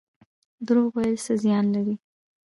دروغ ویل څه زیان لري؟